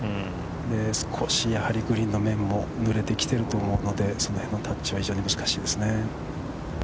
少しやはりグリーンの面も濡れてきていると思うので、そのへんのタッチは非常に難しいですね。